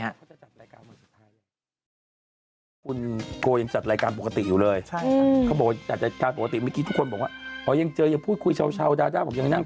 คุณโกยังจัดรายการปกติอยู่เลยเดี๋ยวพูดคุยเฉายังนั่ง